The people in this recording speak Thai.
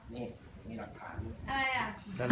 นี่หลักขาด